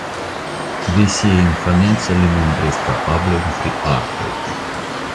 De sia infaneco li montris kapablojn pri artoj.